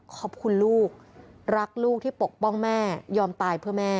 ขอบคุณลูกรักลูกที่ปกป้องแม่ยอมตายเพื่อแม่